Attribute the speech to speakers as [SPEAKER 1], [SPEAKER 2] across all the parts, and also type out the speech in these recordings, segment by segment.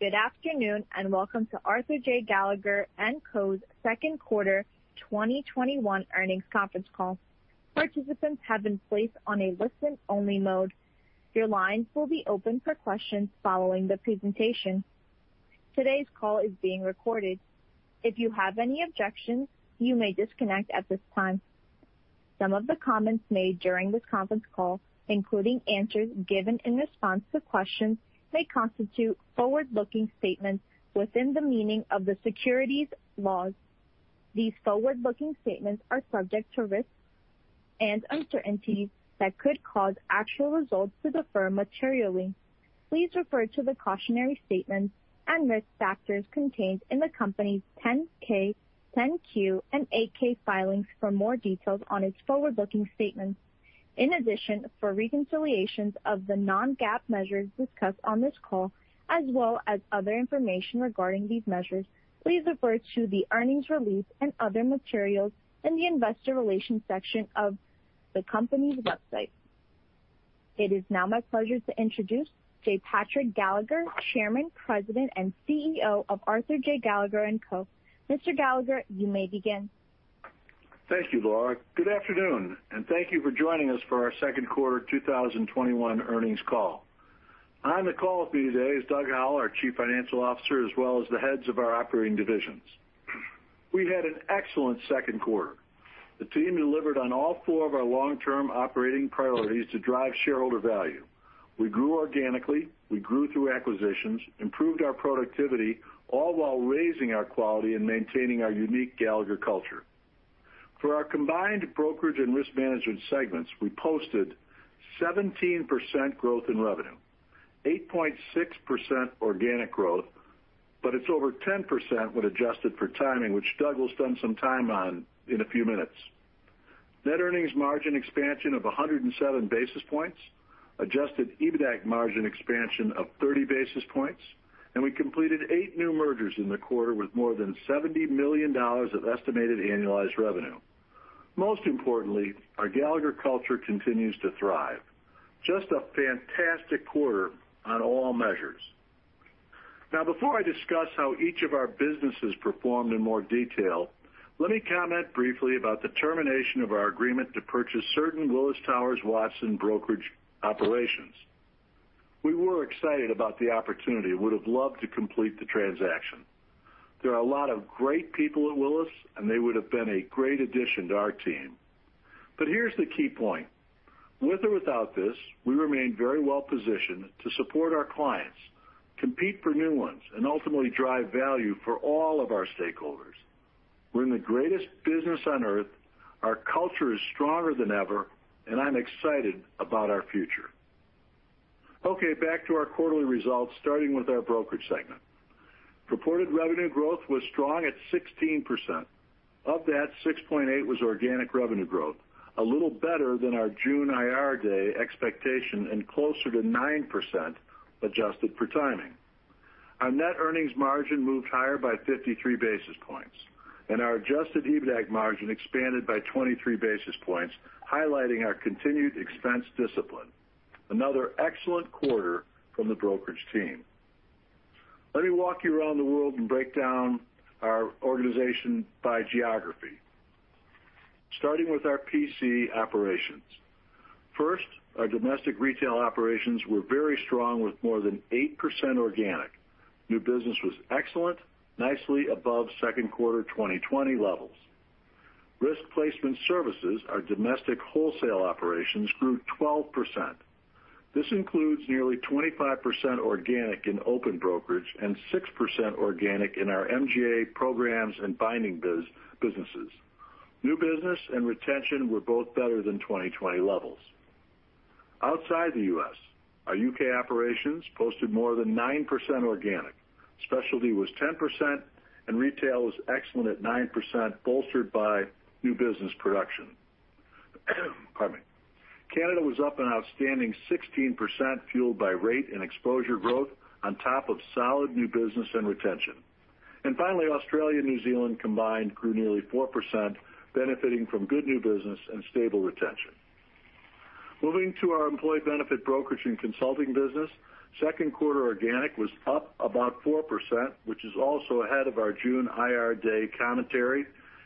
[SPEAKER 1] Good afternoon and welcome to Arthur J. Gallagher & Co. second quarter 2021 earnings conference call. Participants have been placed on listen only mode. Your lines will be opened for questions following the presentation. Todays call is being recorded. If you have any objections you may disconnect at this time. Some of the comments made during this conference call, including answers given in response to questions, may constitute forward-looking statements within the meaning of the securities laws. These forward-looking statements are subject to risks and uncertainties that could cause actual results to differ materially. Please refer to the cautionary statements and risk factors contained in the company's 10-K, 10-Q, and 8-K filings for more details on its forward-looking statements. In addition, for reconciliations of the non-GAAP measures discussed on this call, as well as other information regarding these measures, please refer to the earnings release and other materials in the investor relations section of the company's website. It is now my pleasure to introduce J. Patrick Gallagher, Chairman, President, and CEO of Arthur J. Gallagher & Co. Mr. Gallagher, you may begin.
[SPEAKER 2] Thank you, Laura. Good afternoon, and thank you for joining us for our second quarter 2021 earnings call. On the call with me today is Doug Howell, our Chief Financial Officer, as well as the heads of our operating divisions. We had an excellent second quarter. The team delivered on all four of our long-term operating priorities to drive shareholder value. We grew organically, we grew through acquisitions, improved our productivity, all while raising our quality and maintaining our unique Gallagher culture. For our combined brokerage and risk management segments, we posted 17% growth in revenue, 8.6% organic growth, but it's over 10% when adjusted for timing, which Doug will spend some time on in a few minutes. Net earnings margin expansion of 107 basis points, adjusted EBITDAC margin expansion of 30 basis points. We completed eight new mergers in the quarter with more than $70 million of estimated annualized revenue. Most importantly, our Gallagher culture continues to thrive. Just a fantastic quarter on all measures. Before I discuss how each of our businesses performed in more detail, let me comment briefly about the termination of our agreement to purchase certain Willis Towers Watson brokerage operations. We were excited about the opportunity, would've loved to complete the transaction. There are a lot of great people at Willis, they would've been a great addition to our team. Here's the key point. With or without this, we remain very well-positioned to support our clients, compete for new ones, and ultimately drive value for all of our stakeholders. We're in the greatest business on Earth, our culture is stronger than ever, and I'm excited about our future. Okay, back to our quarterly results, starting with our brokerage segment. Reported revenue growth was strong at 16%. Of that, 6.8% was organic revenue growth, a little better than our June IR day expectation and closer to 9% adjusted for timing. Our net earnings margin moved higher by 53 basis points, and our adjusted EBITDAC margin expanded by 23 basis points, highlighting our continued expense discipline. Another excellent quarter from the brokerage team. Let me walk you around the world and break down our organization by geography, starting with our P&C operations. First, our domestic retail operations were very strong with more than 8% organic. New business was excellent, nicely above second quarter 2020 levels. Risk Placement Services, our domestic wholesale operations, grew 12%. This includes nearly 25% organic in open brokerage and 6% organic in our MGA programs and binding businesses. New business and retention were both better than 2020 levels. Outside the U.S., our U.K. operations posted more than 9% organic. Specialty was 10%, and retail was excellent at 9%, bolstered by new business production. Pardon me. Canada was up an outstanding 16%, fueled by rate and exposure growth on top of solid new business and retention. Finally, Australia, New Zealand combined grew nearly 4%, benefiting from good new business and stable retention. Moving to our employee benefit brokerage and consulting business, second quarter organic was up about 4%, which is also ahead of our June IR day commentary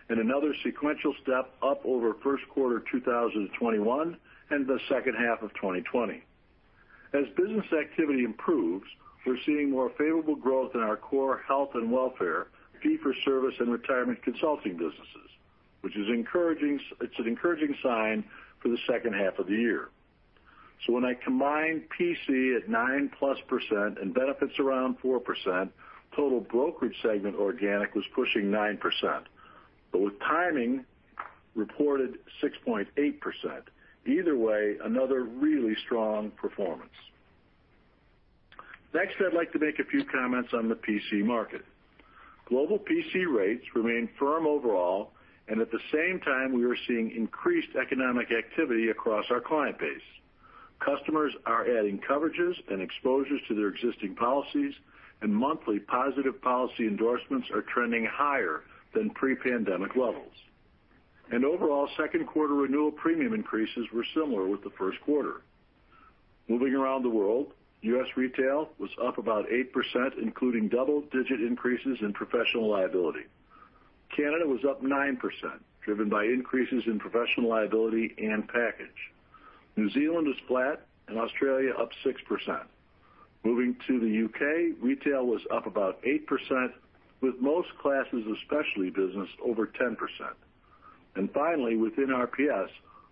[SPEAKER 2] and another sequential step up over first quarter 2021 and the second half of 2020. As business activity improves, we're seeing more favorable growth in our core health and welfare fee for service and retirement consulting businesses. It's an encouraging sign for the second half of the year. When I combine P&C at 9+% and benefits around 4%, total brokerage segment organic was pushing 9%, with timing, reported 6.8%. Either way, another really strong performance. I'd like to make a few comments on the P&C market. Global P&C rates remain firm overall, at the same time, we are seeing increased economic activity across our client base. Customers are adding coverages and exposures to their existing policies, monthly positive policy endorsements are trending higher than pre-pandemic levels. Overall second quarter renewal premium increases were similar with the first quarter. Moving around the world, U.S. retail was up about 8%, including double-digit increases in professional liability. Canada was up 9%, driven by increases in professional liability and package. New Zealand was flat, and Australia up 6%. Moving to the U.K., retail was up about 8%, with most classes of specialty business over 10%. Finally, within RPS,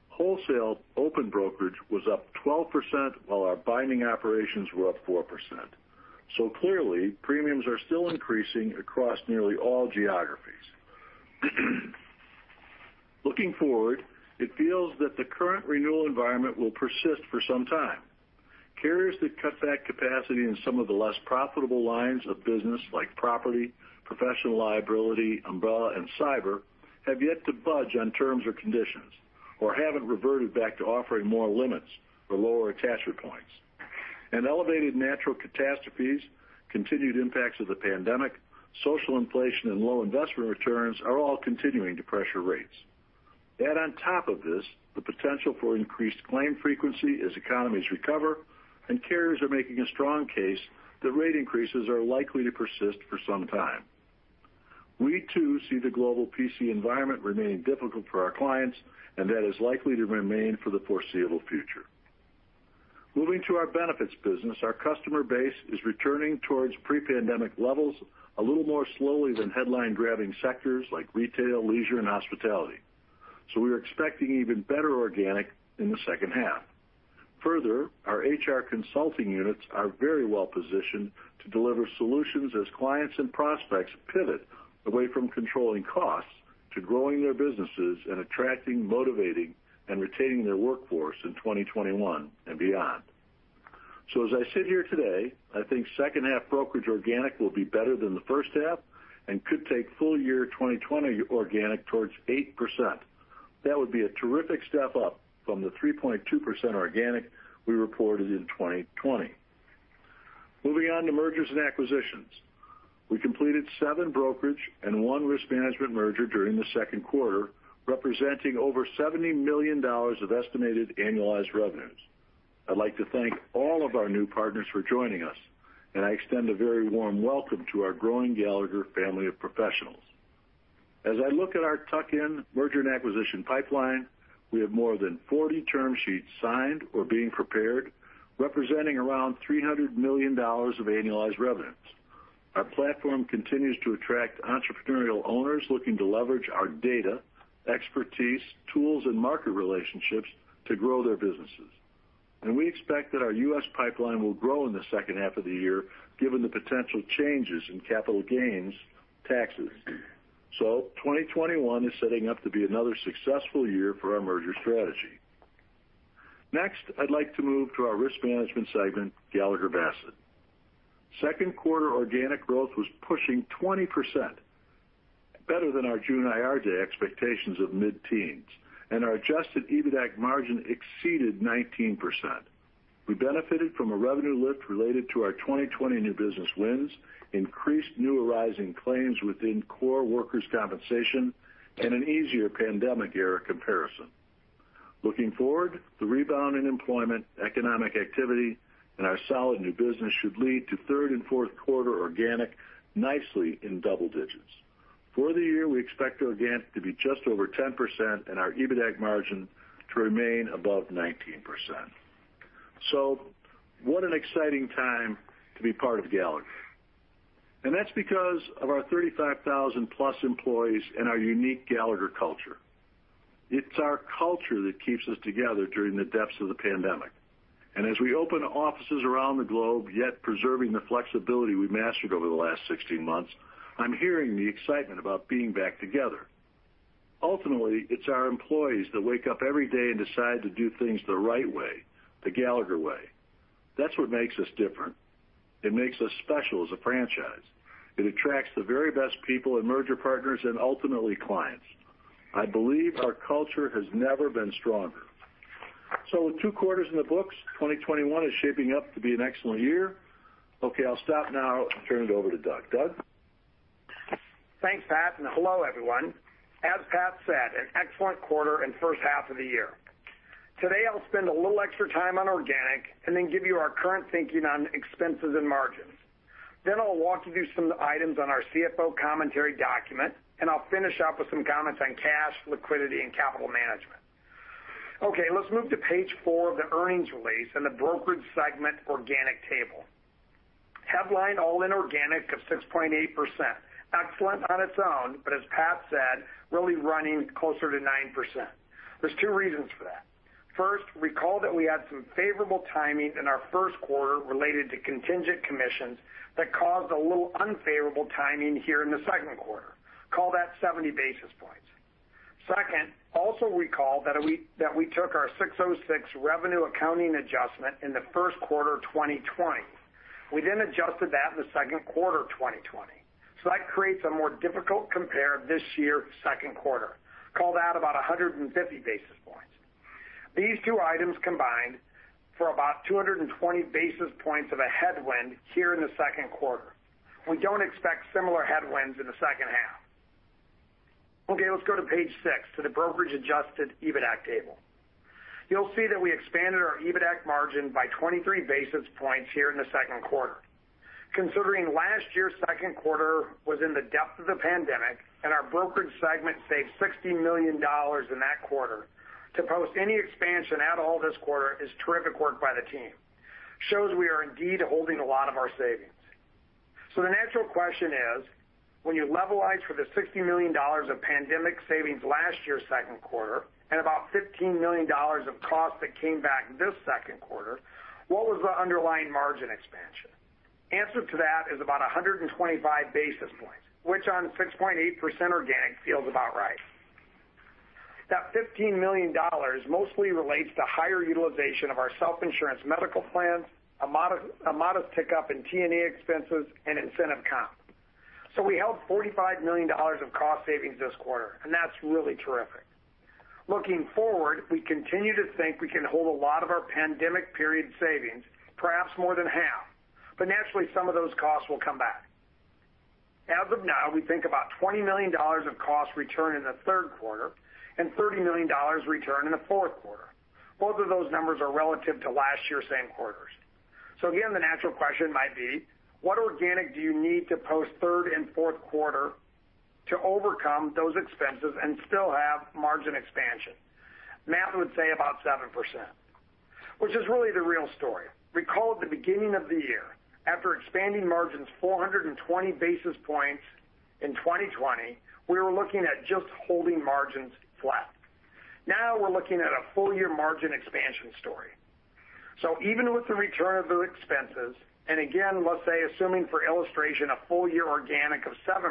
[SPEAKER 2] wholesale open brokerage was up 12%, while our binding operations were up 4%. Clearly, premiums are still increasing across nearly all geographies. Looking forward, it feels that the current renewal environment will persist for some time. Carriers that cut back capacity in some of the less profitable lines of business, like property, professional liability, umbrella, and cyber, have yet to budge on terms or conditions, or haven't reverted back to offering more limits or lower attachment points. Elevated natural catastrophes, continued impacts of the pandemic, social inflation, and low investment returns are all continuing to pressure rates. Add on top of this, the potential for increased claim frequency as economies recover, and carriers are making a strong case that rate increases are likely to persist for some time. We too see the global P&C environment remaining difficult for our clients, and that is likely to remain for the foreseeable future. Moving to our benefits business, our customer base is returning towards pre-pandemic levels a little more slowly than headline-grabbing sectors like retail, leisure, and hospitality. We're expecting even better organic in the second half. Further, our HR consulting units are very well-positioned to deliver solutions as clients and prospects pivot away from controlling costs to growing their businesses and attracting, motivating, and retaining their workforce in 2021 and beyond. As I sit here today, I think second half brokerage organic will be better than the first half and could take full year 2020 organic towards 8%. That would be a terrific step up from the 3.2% organic we reported in 2020. Moving on to mergers and acquisitions. We completed seven brokerage and one risk management merger during the second quarter, representing over $70 million of estimated annualized revenues. I'd like to thank all of our new partners for joining us, and I extend a very warm welcome to our growing Gallagher family of professionals. As I look at our tuck-in merger and acquisition pipeline, we have more than 40 term sheets signed or being prepared, representing around $300 million of annualized revenues. Our platform continues to attract entrepreneurial owners looking to leverage our data, expertise, tools, and market relationships to grow their businesses. We expect that our U.S. pipeline will grow in the second half of the year, given the potential changes in capital gains taxes. 2021 is setting up to be another successful year for our merger strategy. Next, I'd like to move to our risk management segment, Gallagher Bassett. Second quarter organic growth was pushing 20%, better than our June IR day expectations of mid-teens, and our adjusted EBITDAC margin exceeded 19%. We benefited from a revenue lift related to our 2020 new business wins, increased new arising claims within core workers' compensation, and an easier pandemic era comparison. Looking forward, the rebound in employment, economic activity, and our solid new business should lead to third and fourth quarter organic nicely in double digits. For the year, we expect organic to be just over 10% and our EBITDAC margin to remain above 19%. What an exciting time to be part of Gallagher. That's because of our 35,000+ employees and our unique Gallagher culture. It's our culture that keeps us together during the depths of the pandemic. As we open offices around the globe, yet preserving the flexibility we mastered over the last 16 months, I'm hearing the excitement about being back together. Ultimately, it's our employees that wake up every day and decide to do things the right way, the Gallagher way. That's what makes us different. It makes us special as a franchise. It attracts the very best people and merger partners and ultimately clients. I believe our culture has never been stronger. With two quarters in the books, 2021 is shaping up to be an excellent year. Okay, I'll stop now and turn it over to Doug. Doug?
[SPEAKER 3] Thanks, Pat, hello, everyone. As Pat said, an excellent quarter and first half of the year. Today, I'll spend a little extra time on organic and then give you our current thinking on expenses and margins. I'll walk you through some items on our CFO commentary document, and I'll finish up with some comments on cash, liquidity, and capital management. Okay, let's move to page four of the earnings release and the brokerage segment organic table. Headlined all-in organic of 6.8%. Excellent on its own, but as Pat said, really running closer to 9%. There's two reasons for that. Recall that we had some favorable timing in our 1st quarter related to contingent commissions that caused a little unfavorable timing here in the second quarter. Call that 70 basis points. Also recall that we took our ASC 606 revenue accounting adjustment in the 1st quarter of 2020. We adjusted that in the second quarter of 2020. That creates a more difficult compare this year, second quarter. Call that about 150 basis points. These two items combined for about 220 basis points of a headwind here in the second quarter. We don't expect similar headwinds in the second half. Okay, let's go to page six, to the brokerage adjusted EBITDAC table. You'll see that we expanded our EBITDAC margin by 23 basis points here in the second quarter. Considering last year's second quarter was in the depth of the pandemic and our brokerage segment saved $60 million in that quarter, to post any expansion at all this quarter is terrific work by the team. It shows we are indeed holding a lot of our savings. The natural question is, when you levelize for the $60 million of pandemic savings last year's second quarter, and about $15 million of cost that came back this second quarter, what was the underlying margin expansion? Answer to that is about 125 basis points, which on 6.8% organic feels about right. That $15 million mostly relates to higher utilization of our self-insurance medical plans, a modest pickup in T&E expenses, and incentive comp. We held $45 million of cost savings this quarter, and that's really terrific. Looking forward, we continue to think we can hold a lot of our pandemic period savings, perhaps more than half. Naturally, some of those costs will come back. As of now, we think about $20 million of costs return in the third quarter and $30 million return in the fourth quarter. Both of those numbers are relative to last year, same quarters. Again, the natural question might be, what organic do you need to post third and fourth quarter to overcome those expenses and still have margin expansion? Math would say about 7%, which is really the real story. Recall at the beginning of the year, after expanding margins 420 basis points in 2020, we were looking at just holding margins flat. Now we're looking at a full-year margin expansion story. Even with the return of the expenses, and again, let's say assuming for illustration a full-year organic of 7%,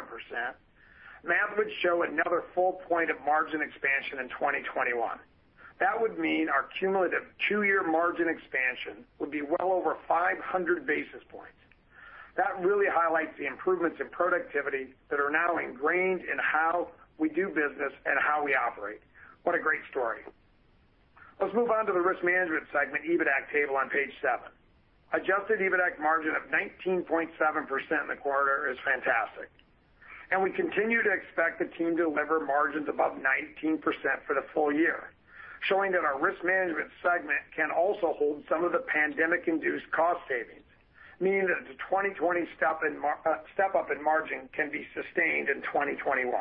[SPEAKER 3] math would show another full point of margin expansion in 2021. That would mean our cumulative two-year margin expansion would be well over 500 basis points. That really highlights the improvements in productivity that are now ingrained in how we do business and how we operate. What a great story. Let's move on to the risk management segment, EBITDAC table on page seven. Adjusted EBITDAC margin of 19.7% in the quarter is fantastic, and we continue to expect the team to deliver margins above 19% for the full year, showing that our risk management segment can also hold some of the pandemic-induced cost savings, meaning that the 2020 step up in margin can be sustained in 2021.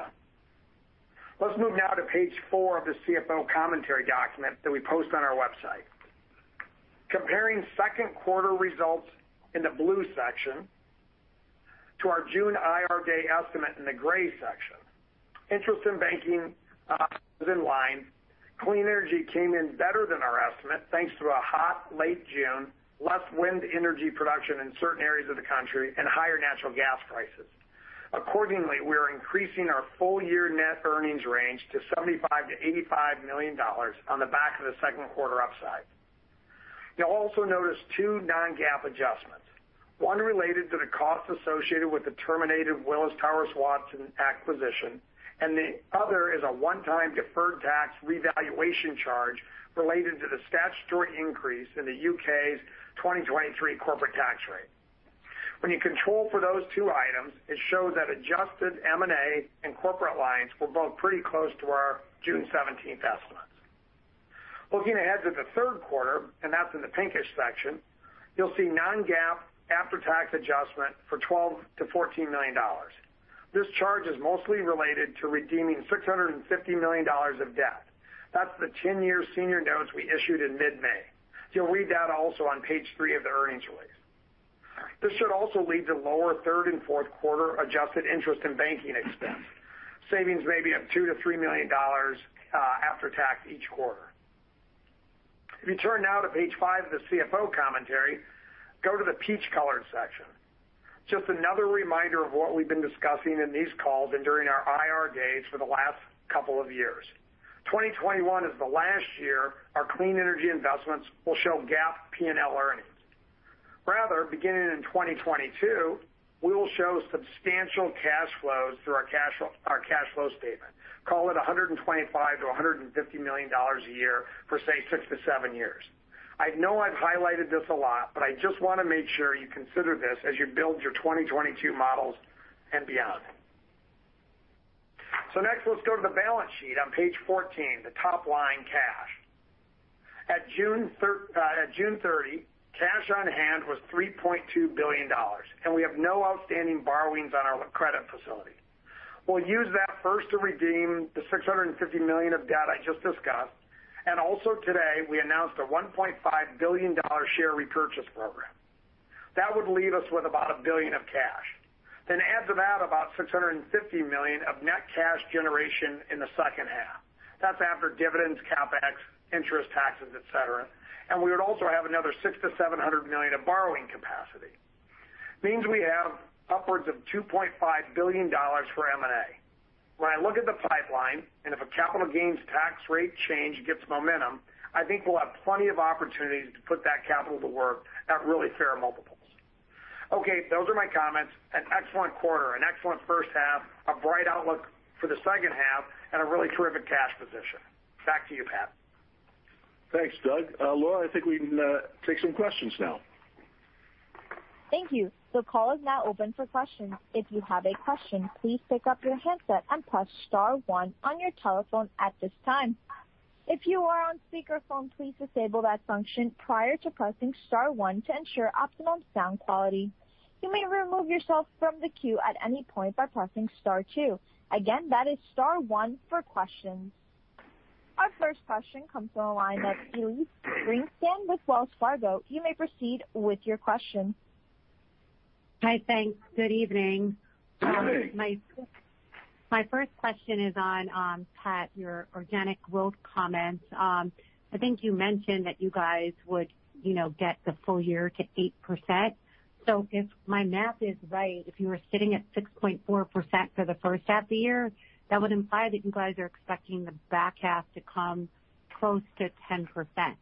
[SPEAKER 3] Let's move now to page four of the CFO commentary document that we post on our website. Comparing second quarter results in the blue section to our June IR day estimate in the gray section, interest in banking, was in line. Clean energy came in better than our estimate, thanks to a hot, late June, less wind energy production in certain areas of the country, and higher natural gas prices. Accordingly, we are increasing our full-year net earnings range to $75 million-$85 million on the back of the second quarter upside. You'll also notice two non-GAAP adjustments, one related to the cost associated with the terminated Willis Towers Watson acquisition, and the other is a one-time deferred tax revaluation charge related to the statutory increase in the U.K.'s 2023 corporate tax rate. When you control for those two items, it shows that adjusted M&A and corporate lines were both pretty close to our June 17th estimates. Looking ahead to the third quarter, and that's in the pinkish section, you'll see non-GAAP after-tax adjustment for $12 million-$14 million. This charge is mostly related to redeeming $650 million of debt. That's the 10-year senior notes we issued in mid-May. You'll read that also on page three of the earnings release. This should also lead to lower third and fourth quarter adjusted interest in banking expense, savings maybe of $2 million-$3 million after tax each quarter. If you turn now to page five of the CFO commentary, go to the peach-colored section. Just another reminder of what we've been discussing in these calls and during our IR days for the last couple of years. 2021 is the last year our clean energy investments will show GAAP P&L earnings. Rather, beginning in 2022, we will show substantial cash flows through our cash flow statement. Call it $125 million-$150 million a year for, say, six to seven years. I know I've highlighted this a lot, but I just want to make sure you consider this as you build your 2022 models and beyond. Next, let's go to the balance sheet on page 14, the top line, cash. At June 30, cash on hand was $3.2 billion. We have no outstanding borrowings on our credit facility. We'll use that first to redeem the $650 million of debt I just discussed. Also today, we announced a $1.5 billion share repurchase program. That would leave us with about $1 billion of cash. Add to that about $650 million of net cash generation in the second half. That's after dividends, CapEx, interest, taxes, et cetera. We would also have another $600 million-$700 million of borrowing capacity. This means we have upwards of $2.5 billion for M&A. When I look at the pipeline, if a capital gains tax rate change gets momentum, I think we'll have plenty of opportunities to put that capital to work at really fair multiples. Okay. Those are my comments. An excellent quarter, an excellent first half, a bright outlook for the second half, and a really terrific cash position. Back to you, Pat.
[SPEAKER 2] Thanks, Doug. Laura, I think we can take some questions now.
[SPEAKER 1] Thank you. The call is now open for questions. If you have a question, please pick up your handset and press star one on your telephone at this time. If you are on speakerphone, please disable that function prior to pressing star one to ensure optimum sound quality. You may remove yourself from the queue at any point by pressing star two. Again, that is star one for questions. Our first question comes from the line of Elyse Greenspan with Wells Fargo. You may proceed with your question.
[SPEAKER 4] Hi. Thanks. Good evening.
[SPEAKER 3] Good evening.
[SPEAKER 4] My first question is on, Pat, your organic growth comments. I think you mentioned that you guys would get the full year to 8%. If my math is right, if you were sitting at 6.4% for the first half of the year, that would imply that you guys are expecting the back half to come close to 10%.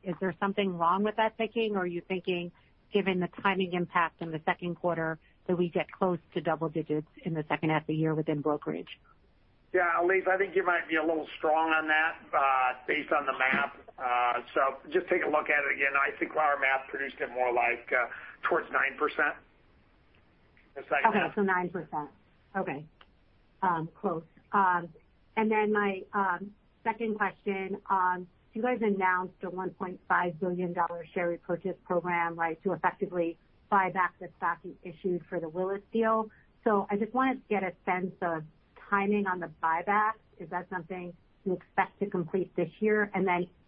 [SPEAKER 4] Is there something wrong with that thinking, or are you thinking, given the timing impact in the second quarter, that we get close to double digits in the second half of the year within brokerage?
[SPEAKER 3] Yeah, Elyse, I think you might be a little strong on that based on the math. Just take a look at it again. I think our math produced it more like towards 9%, the second half.
[SPEAKER 4] Okay. 9%. Okay. Close. My second question. You guys announced a $1.5 billion share repurchase program to effectively buy back the stock you issued for the Willis deal. I just wanted to get a sense of timing on the buyback. Is that something you expect to complete this year?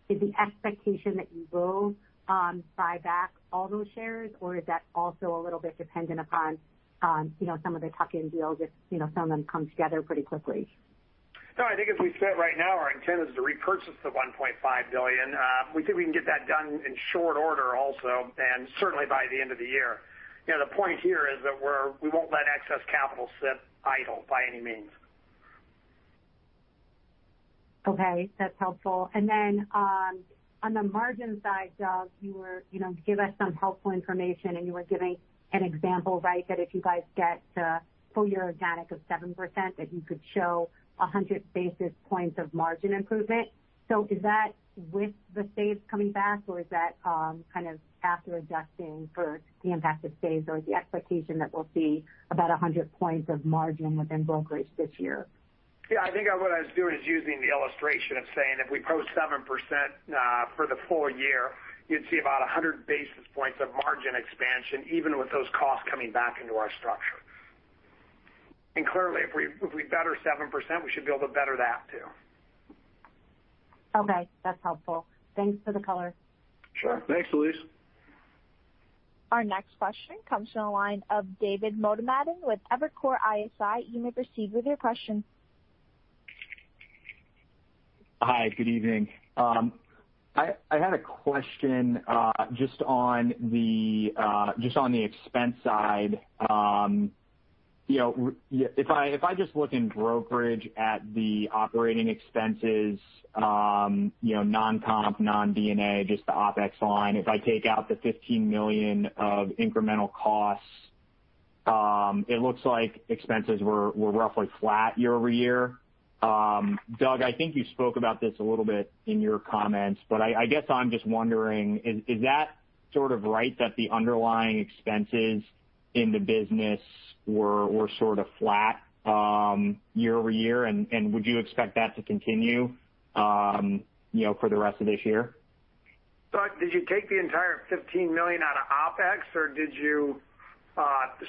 [SPEAKER 4] Is the expectation that you will buy back all those shares, or is that also a little bit dependent upon some of the tuck-in deals if some of them come together pretty quickly?
[SPEAKER 3] No, I think as we've said right now, our intent is to repurchase the $1.5 billion. We think we can get that done in short order also, and certainly by the end of the year. The point here is that we won't let excess capital sit idle by any means.
[SPEAKER 4] Okay, that's helpful. On the margin side, Doug, you gave us some helpful information, and you were giving an example that if you guys get a full-year organic of 7%, that you could show 100 basis points of margin improvement. Is that with the saves coming back, or is that after adjusting for the impact of saves, or is the expectation that we'll see about 100 points of margin within brokerage this year?
[SPEAKER 3] Yeah, I think what I was doing is using the illustration of saying if we post 7% for the full year, you'd see about 100 basis points of margin expansion, even with those costs coming back into our structure. Clearly, if we better 7%, we should be able to better that, too.
[SPEAKER 4] Okay. That's helpful. Thanks for the color.
[SPEAKER 3] Sure.
[SPEAKER 2] Thanks, Elyse.
[SPEAKER 1] Our next question comes from the line of David Motemaden with Evercore ISI. You may proceed with your question.
[SPEAKER 5] Hi. Good evening. I had a question just on the expense side. If I just look in brokerage at the operating expenses, non-comp, non-D&A, just the OpEx line, if I take out the $15 million of incremental costs, it looks like expenses were roughly flat YoY. Doug, I think you spoke about this a little bit in your comments. I guess I'm just wondering, is that sort of right that the underlying expenses in the business were sort of flat YoY, and would you expect that to continue for the rest of this year?
[SPEAKER 2] Doug, did you take the entire $15 million out of OpEx, or did you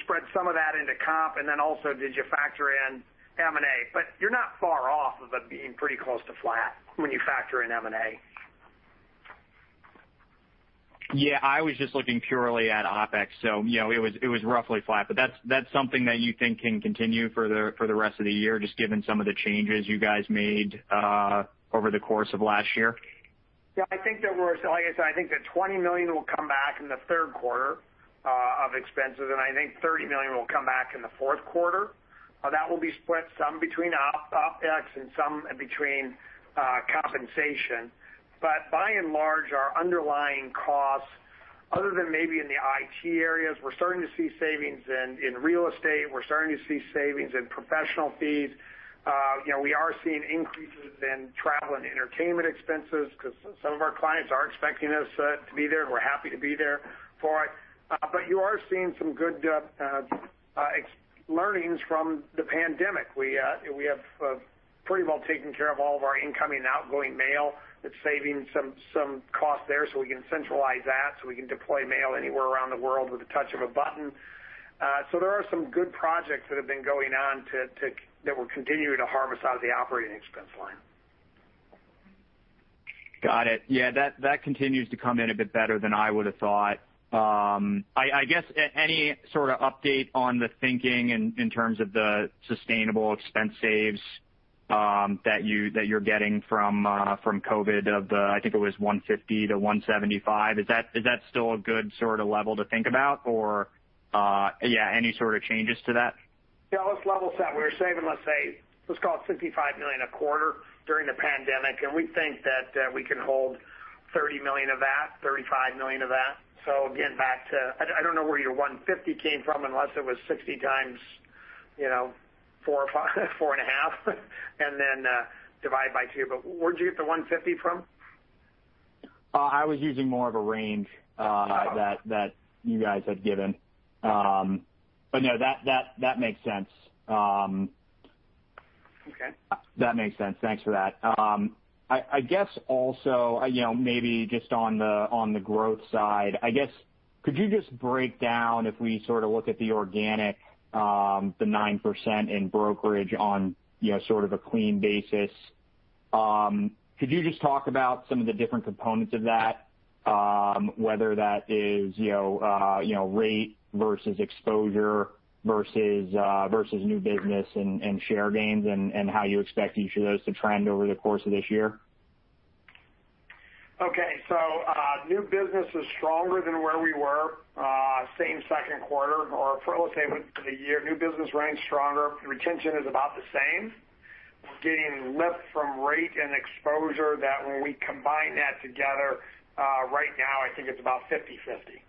[SPEAKER 2] spread some of that into comp? Then also, did you factor in M&A? You're not far off of it being pretty close to flat when you factor in M&A.
[SPEAKER 5] Yeah, I was just looking purely at OpEx, so it was roughly flat. That's something that you think can continue for the rest of the year, just given some of the changes you guys made over the course of last year?
[SPEAKER 3] Yeah, like I said, I think that $20 million will come back in the third quarter of expenses, and I think $30 million will come back in the fourth quarter. That will be split some between OpEx and some between compensation. By and large, our underlying costs, other than maybe in the IT areas, we're starting to see savings in real estate, we're starting to see savings in professional fees. We are seeing increases in travel and entertainment expenses because some of our clients are expecting us to be there, and we're happy to be there for it. You are seeing some good learnings from the pandemic. We have pretty well taken care of all of our incoming and outgoing mail. It's saving some cost there, so we can centralize that, so we can deploy mail anywhere around the world with the touch of a button. There are some good projects that have been going on that we're continuing to harvest out of the operating expense line.
[SPEAKER 5] Got it. Yeah, that continues to come in a bit better than I would've thought. I guess, any sort of update on the thinking in terms of the sustainable expense saves that you're getting from COVID of the, I think it was $150 million-$175 million. Is that still a good sort of level to think about or any sort of changes to that?
[SPEAKER 3] Yeah. Let's level set. We were saving, let's say, $65 million a quarter during the pandemic, and we think that we can hold $30 million of that, $35 million of that. Again, back to, I don't know where your 150 came from, unless it was 60 times four or 4.5, and then divide by two. Where'd you get the 150 from?
[SPEAKER 5] I was using more of a range that you guys had given. No, that makes sense.
[SPEAKER 3] Okay.
[SPEAKER 5] That makes sense. Thanks for that. I guess also, maybe just on the growth side, could you just break down, if we look at the organic, the 9% in brokerage on a clean basis. Could you just talk about some of the different components of that? Whether that is rate versus exposure versus new business and share gains. How you expect each of those to trend over the course of this year.
[SPEAKER 3] Okay. New business is stronger than where we were same second quarter, or let's say with the year. New business ran stronger. Retention is about the same. We're getting lift from rate and exposure that when we combine that together, right now, I think it's about 50/50.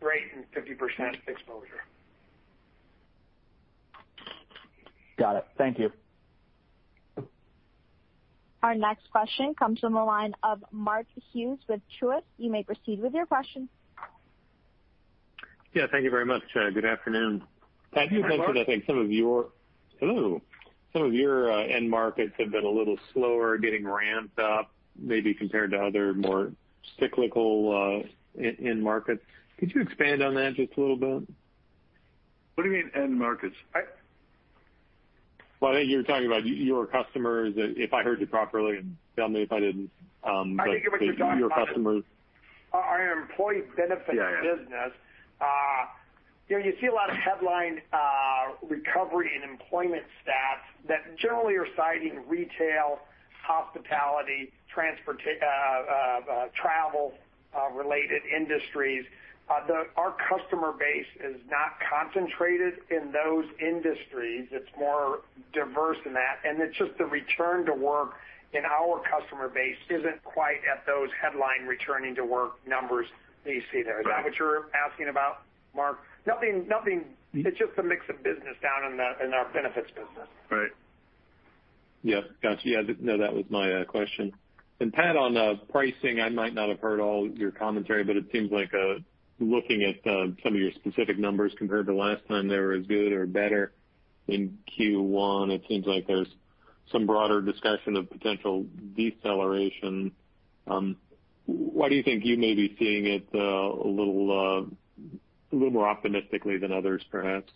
[SPEAKER 3] Rate and 50% exposure.
[SPEAKER 5] Got it. Thank you.
[SPEAKER 1] Our next question comes from the line of Mark Hughes with Truist. You may proceed with your question.
[SPEAKER 6] Yeah. Thank you very much. Good afternoon.
[SPEAKER 3] Hi, Mark.
[SPEAKER 6] Pat, you mentioned, I think some of your end markets have been a little slower getting ramped up, maybe compared to other more cyclical end markets. Could you expand on that just a little bit?
[SPEAKER 2] What do you mean end markets?
[SPEAKER 6] Well, I think you were talking about your customers, if I heard you properly, and tell me if I didn't.
[SPEAKER 2] I think I was talking about-
[SPEAKER 6] Your customers.
[SPEAKER 2] Our employee benefits business.
[SPEAKER 6] Yeah.
[SPEAKER 2] You see a lot of headline recovery and employment stats that generally are citing retail, hospitality, travel-related industries. Our customer base is not concentrated in those industries. It's more diverse than that, and it's just the return to work in our customer base isn't quite at those headline returning to work numbers that you see there. Is that what you're asking about, Mark? It's just a mix of business down in our benefits business.
[SPEAKER 6] Right. Yep. Got you. Yeah. No, that was my question. Pat, on pricing, I might not have heard all your commentary, but it seems like looking at some of your specific numbers compared to last time, they were as good or better in Q1. It seems like there's some broader discussion of potential deceleration. Why do you think you may be seeing it a little more optimistically than others, perhaps?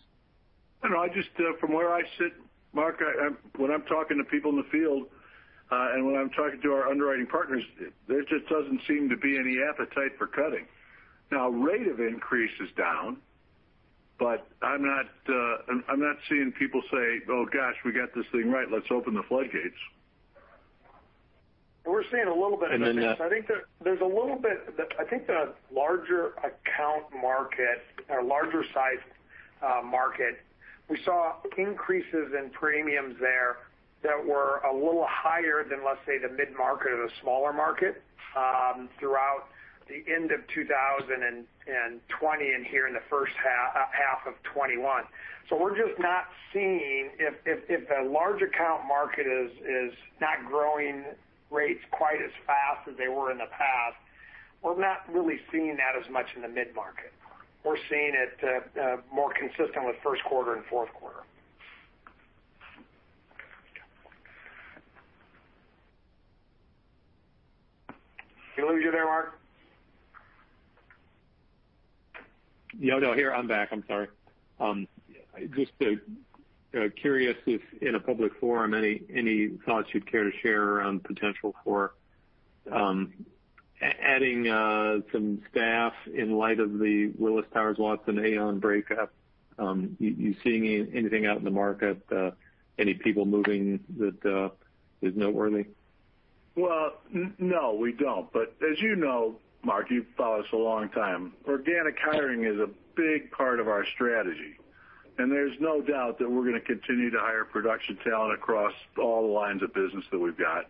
[SPEAKER 2] I don't know. Just from where I sit, Mark, when I'm talking to people in the field, and when I'm talking to our underwriting partners, there just doesn't seem to be any appetite for cutting. Now, rate of increase is down, but I'm not seeing people say, "Oh, gosh, we got this thing right. Let's open the floodgates.
[SPEAKER 3] We're seeing a little bit of it. I think the larger account market or larger-sized market, we saw increases in premiums there that were a little higher than, let's say, the mid-market or the smaller market, throughout the end of 2020 and here in the first half of 2021. We're just not seeing if the large account market is not growing rates quite as fast as they were in the past. We're not really seeing that as much in the mid-market. We're seeing it more consistent with first quarter and fourth quarter. Did I lose you there, Mark?
[SPEAKER 6] No. Here, I'm back. I'm sorry. Just curious if, in a public forum, any thoughts you'd care to share around potential for adding some staff in light of the Willis Towers Watson/Aon breakup? You seeing anything out in the market, any people moving that is noteworthy?
[SPEAKER 2] Well, no, we don't. As you know, Mark, you've followed us a long time, organic hiring is a big part of our strategy, and there's no doubt that we're going to continue to hire production talent across all the lines of business that we've got.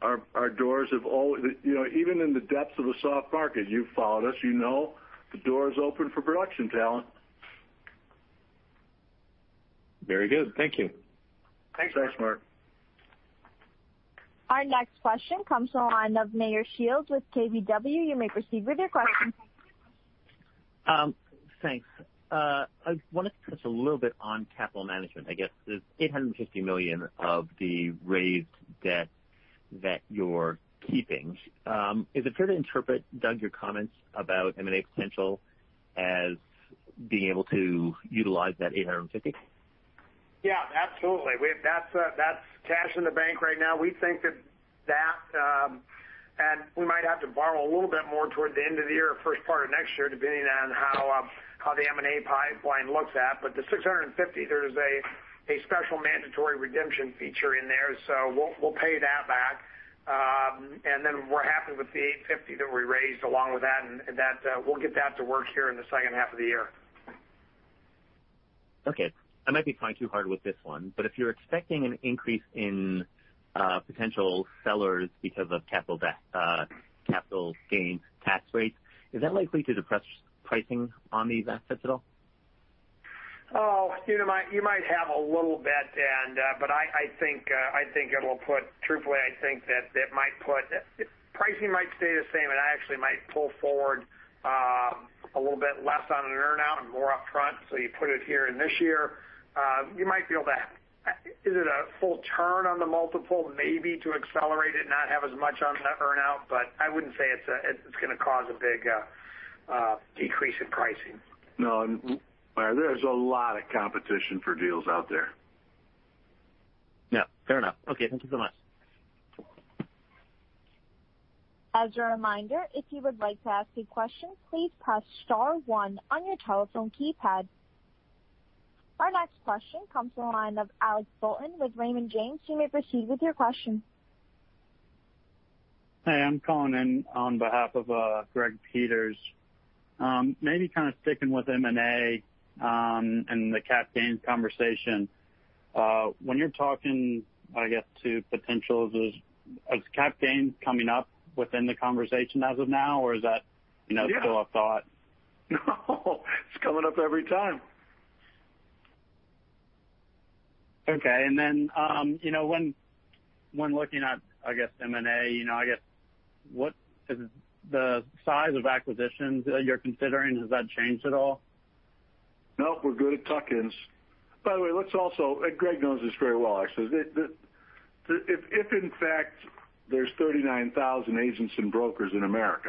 [SPEAKER 2] Our doors have always, even in the depths of a soft market, you've followed us, you know the door's open for production talent.
[SPEAKER 6] Very good. Thank you.
[SPEAKER 3] Thanks, Mark.
[SPEAKER 1] Our next question comes from the line of Meyer Shields with KBW. You may proceed with your question.
[SPEAKER 7] Thanks. I wanted to touch a little bit on capital management. I guess the $850 million of the raised debt that you're keeping, is it fair to interpret, Doug, your comments about M&A potential as being able to utilize that $850 million?
[SPEAKER 3] Yeah, absolutely. That's cash in the bank right now. We think that we might have to borrow a little bit more toward the end of the year or first part of next year, depending on how the M&A pipeline looks at. The $650, there's a special mandatory redemption feature in there, so we'll pay that back. We're happy with the $850 that we raised along with that, and we'll get that to work here in the second half of the year.
[SPEAKER 7] Okay. If you're expecting an increase in potential sellers because of capital gains tax rates, is that likely to depress pricing on these assets at all?
[SPEAKER 3] Oh, you might have a little bit, but truthfully, I think pricing might stay the same, and I actually might pull forward a little bit less on an earn-out and more upfront, so you put it here in this year. You might feel that. Is it a full turn on the multiple? Maybe to accelerate it and not have as much on that earn-out, but I wouldn't say it's going to cause a big decrease in pricing.
[SPEAKER 2] No. There is a lot of competition for deals out there.
[SPEAKER 7] Yeah. Fair enough. Okay. Thank you so much.
[SPEAKER 1] As a reminder, if you would like to ask a question, please press star one on your telephone keypad. Our next question comes from the line of Alex Bolton with Raymond James. You may proceed with your question.
[SPEAKER 8] Hey, I'm calling in on behalf of Greg Peters. Maybe kind of sticking with M&A, and the cap gains conversation. When you're talking, I guess, to potentials, is cap gains coming up within the conversation as of now?
[SPEAKER 3] Yeah
[SPEAKER 8] still a thought?
[SPEAKER 3] No. It's coming up every time.
[SPEAKER 8] Okay, then when looking at, I guess M&A, I guess, what is the size of acquisitions you're considering? Has that changed at all?
[SPEAKER 2] Nope, we're good at tuck-ins. By the way, Greg Peters knows this very well, actually. If in fact there's 39,000 agents and brokers in the U.S.,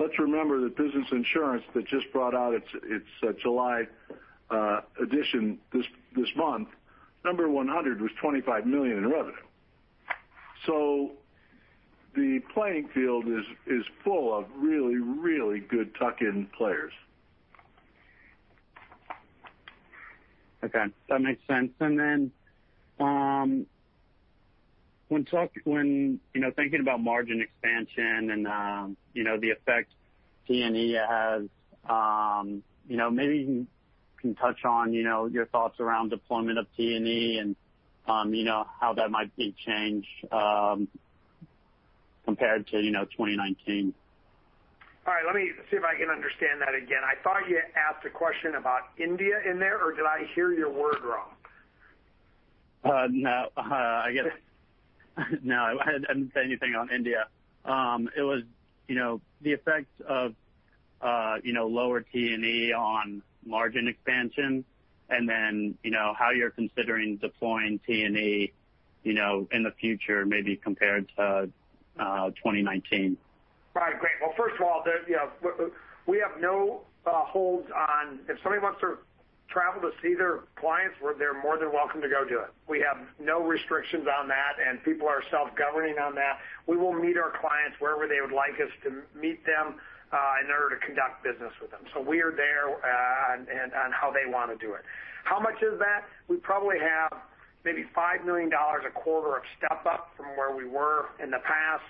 [SPEAKER 2] let's remember that Business Insurance that just brought out its July edition this month, number 100 was $25 million in revenue. The playing field is full of really, really good tuck-in players.
[SPEAKER 8] Okay. That makes sense. When thinking about margin expansion and the effect T&E has, maybe you can touch on your thoughts around deployment of T&E and how that might be changed compared to 2019.
[SPEAKER 3] All right. Let me see if I can understand that again. I thought you asked a question about India in there, or did I hear your word wrong?
[SPEAKER 8] No. I hadn't said anything on India. It was the effect of lower T&E on margin expansion and then how you're considering deploying T&E in the future, maybe compared to 2019.
[SPEAKER 3] Right. Great. Well, first of all, if somebody wants to travel to see their clients, they're more than welcome to go do it. We have no restrictions on that, and people are self-governing on that. We will meet our clients wherever they would like us to meet them in order to conduct business with them. We are there on how they want to do it. How much is that? We probably have maybe $5 million a quarter of step-up from where we were in the past.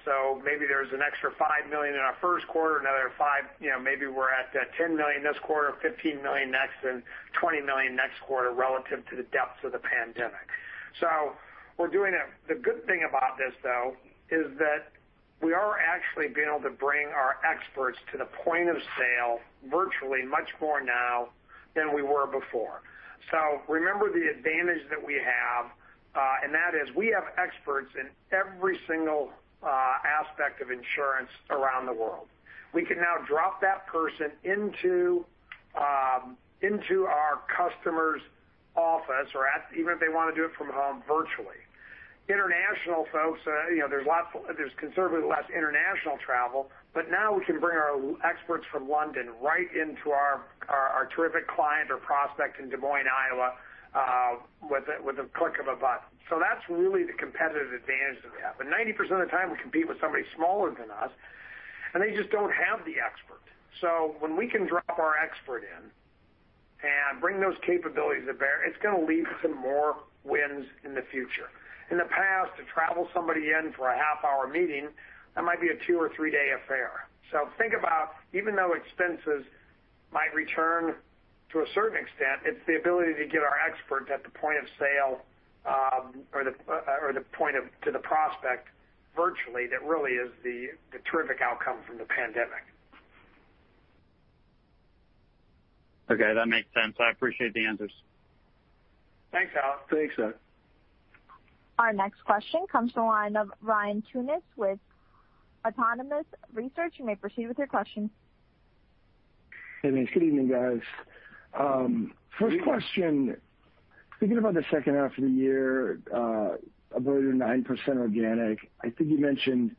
[SPEAKER 3] Maybe there's an extra $5 million in our first quarter, another $5, maybe we're at $10 million this quarter, $15 million next, and $20 million next quarter relative to the depths of the pandemic. We're doing it. The good thing about this, though, is that we are actually being able to bring our experts to the point of sale virtually much more now than we were before. Remember the advantage that we have, and that is we have experts in every single aspect of insurance around the world. We can now drop that person into our customer's office or even if they want to do it from home virtually. International folks, there's considerably less international travel, but now we can bring our experts from London right into our terrific client or prospect in Des Moines, Iowa, with a click of a button. That's really the competitive advantage that we have, and 90% of the time, we compete with somebody smaller than us, and they just don't have the expert. When we can drop our expert in and bring those capabilities to bear, it's going to lead to more wins in the future. In the past, to travel somebody in for a half-hour meeting, that might be a two or three-day affair. Think about, even though expenses might return to a certain extent, it's the ability to get our expert at the point of sale, or to the prospect virtually that really is the terrific outcome from the pandemic.
[SPEAKER 8] Okay. That makes sense. I appreciate the answers.
[SPEAKER 3] Thanks, Alex.
[SPEAKER 2] Thanks, Alex.
[SPEAKER 1] Our next question comes from the line of Ryan Tunis with Autonomous Research. You may proceed with your question.
[SPEAKER 9] Hey, thanks. Good evening, guys. First question, thinking about the second half of the year, about your 9% organic, I think you mentioned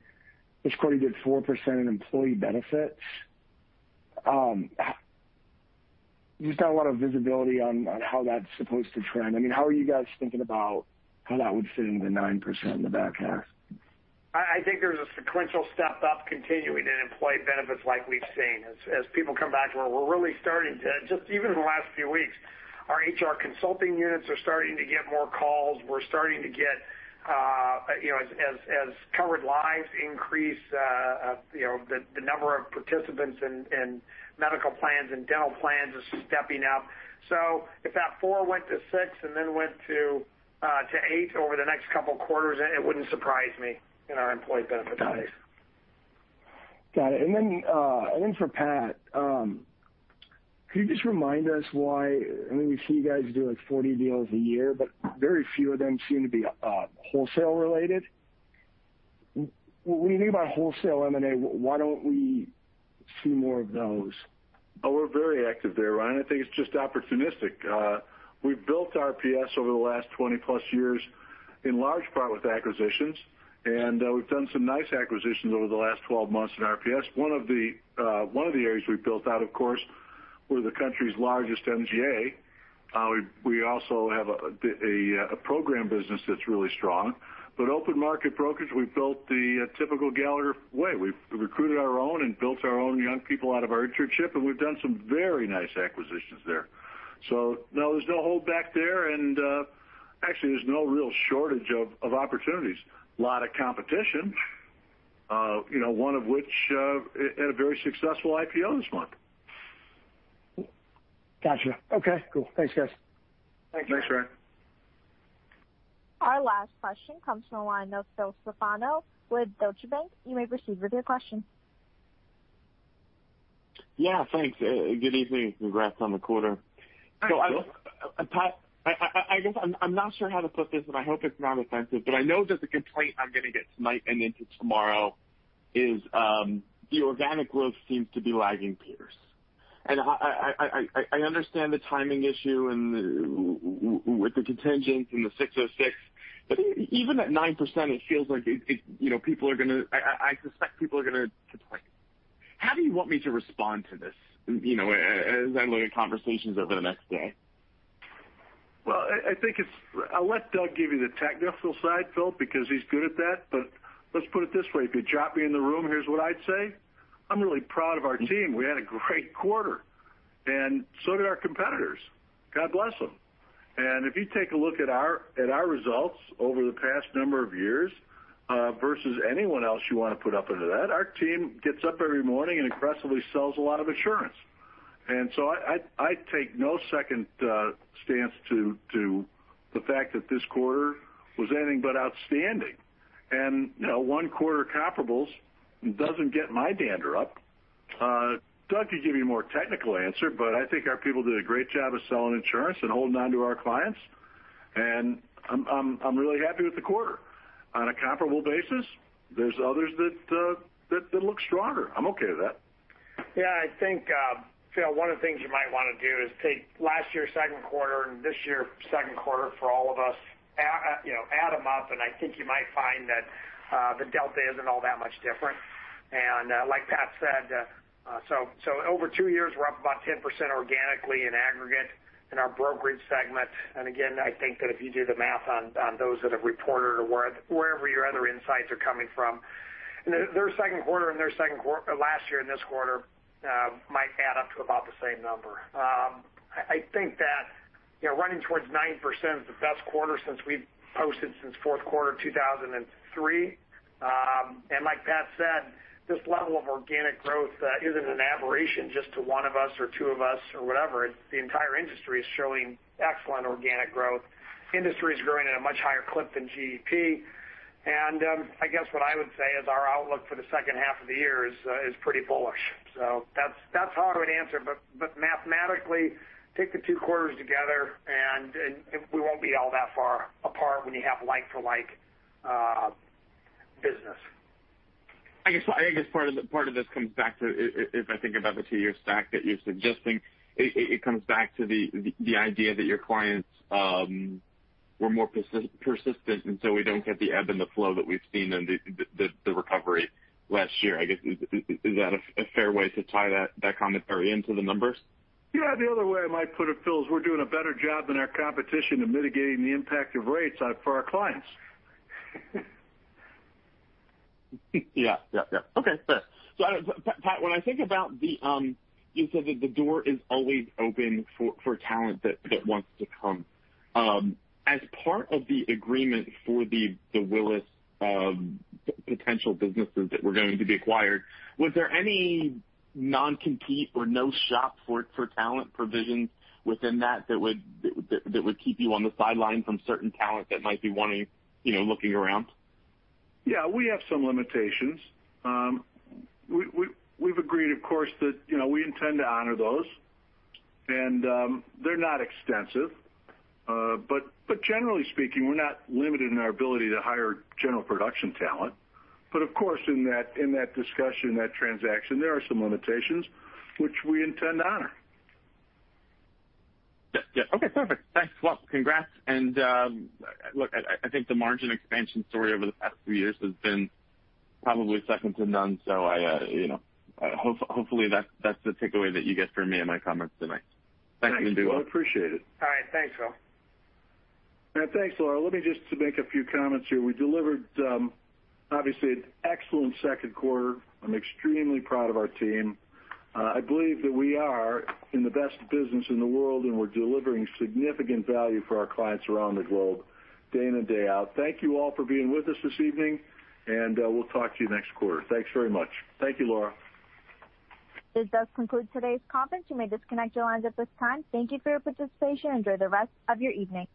[SPEAKER 9] this quarter did 4% in employee benefits. You just don't have a lot of visibility on how that's supposed to trend. How are you guys thinking about how that would fit into the 9% in the back half?
[SPEAKER 3] I think there's a sequential step up continuing in employee benefits like we've seen as people come back where we're really starting to, just even in the last few weeks, our HR consulting units are starting to get more calls. We're starting to get, as covered lives increase, the number of participants in medical plans and dental plans is stepping up. If that four went to six and then went to eight over the next couple of quarters, it wouldn't surprise me in our employee benefits space.
[SPEAKER 9] Got it. Then one for Pat. Could you just remind us why, we see you guys do like 40 deals a year, but very few of them seem to be wholesale related. When you think about wholesale M&A, why don't we see more of those?
[SPEAKER 2] Oh, we're very active there, Ryan. I think it's just opportunistic. We've built RPS over the last 20+ years, in large part with acquisitions, and we've done some nice acquisitions over the last 12 months in RPS. One of the areas we've built out, of course, we're the country's largest MGA. We also have a program business that's really strong. Open market brokerage, we've built the typical Gallagher way. We've recruited our own and built our own young people out of our internship, and we've done some very nice acquisitions there. No, there's no hold back there, and actually, there's no real shortage of opportunities. Lot of competition, one of which had a very successful IPO this month.
[SPEAKER 9] Got you. Okay, cool. Thanks, guys.
[SPEAKER 3] Thank you.
[SPEAKER 2] Thanks, Ryan.
[SPEAKER 1] Our last question comes from the line of Philip Stefano with Deutsche Bank. You may proceed with your question.
[SPEAKER 10] Yeah, thanks. Good evening. Congrats on the quarter.
[SPEAKER 2] Phil.
[SPEAKER 10] Pat, I guess I'm not sure how to put this, and I hope it's not offensive, but I know there's a complaint I'm going to get tonight and into tomorrow is, the organic growth seems to be lagging peers. I understand the timing issue and with the contingents and the 606, but even at 9%, it feels like, I suspect people are going to complain. How do you want me to respond to this as I'm going to conversations over the next day?
[SPEAKER 2] Well, I'll let Doug give you the technical side, Phil, because he's good at that. Let's put it this way, if you drop me in the room, here's what I'd say. I'm really proud of our team. We had a great quarter, and so did our competitors. God bless them. If you take a look at our results over the past number of years versus anyone else you want to put up into that, our team gets up every morning and aggressively sells a lot of insurance. I take no second stance to the fact that this quarter was anything but outstanding. 1 quarter comparables doesn't get my dander up. Doug could give you a more technical answer, but I think our people did a great job of selling insurance and holding on to our clients, and I'm really happy with the quarter. On a comparable basis, there's others that look stronger. I'm okay with that.
[SPEAKER 3] Yeah, I think, Phil, one of the things you might want to do is take last year's second quarter and this year's second quarter for all of us, add them up, and I think you might find that the delta isn't all that much different. Like Pat said, over two years, we're up about 10% organically in aggregate in our brokerage segment. Again, I think that if you do the math on those that have reported or wherever your other insights are coming from, their second quarter last year and this quarter might add up to about the same number. I think that running towards 9% is the best quarter since we've posted since fourth quarter 2003. Like Pat said, this level of organic growth isn't an aberration just to one of us or two of us or whatever. It's the entire industry is showing excellent organic growth. Industry is growing at a much higher clip than GDP. I guess what I would say is our outlook for the second half of the year is pretty bullish. That's how I would answer. Mathematically, take the two quarters together, and we won't be all that far apart when you have like-to-like business.
[SPEAKER 10] I guess part of this comes back to, if I think about the two-year stack that you're suggesting, it comes back to the idea that your clients were more persistent, and so we don't get the ebb and the flow that we've seen in the recovery last year. I guess, is that a fair way to tie that commentary into the numbers?
[SPEAKER 2] Yeah, the other way I might put it, Phil, is we're doing a better job than our competition in mitigating the impact of rates for our clients.
[SPEAKER 10] Yeah. Okay, fair. Pat, when I think about, you said that the door is always open for talent that wants to come. As part of the agreement for the Willis potential businesses that were going to be acquired, was there any non-compete or no shop for talent provisions within that that would keep you on the sideline from certain talent that might be wanting, looking around?
[SPEAKER 2] Yeah, we have some limitations. We've agreed, of course, that we intend to honor those, and they're not extensive. Generally speaking, we're not limited in our ability to hire general production talent. Of course, in that discussion, that transaction, there are some limitations which we intend to honor.
[SPEAKER 10] Yeah. Okay, perfect. Thanks. Well, congrats. Look, I think the margin expansion story over the past few years has been probably second to none. Hopefully that's the takeaway that you get from me and my comments tonight. Thanks.
[SPEAKER 2] Thanks, Phil. I appreciate it.
[SPEAKER 3] All right. Thanks, Philip.
[SPEAKER 2] Thanks, Laura. Let me just make a few comments here. We delivered, obviously, an excellent second quarter. I'm extremely proud of our team. I believe that we are in the best business in the world, and we're delivering significant value for our clients around the globe day in and day out. Thank you all for being with us this evening, and we'll talk to you next quarter. Thanks very much. Thank you, Laura.
[SPEAKER 1] This does conclude today's conference. You may disconnect your lines at this time. Thank you for your participation. Enjoy the rest of your evening.